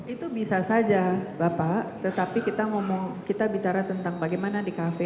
itu bisa saja bapak tetapi kita ngomong kita bicara tentang bagaimana di kafe